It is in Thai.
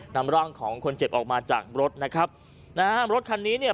นำร่างของคนเจ็บออกมาจากรถนะครับนะฮะรถคันนี้เนี่ย